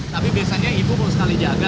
tapi biasanya ibu baru sekali jaga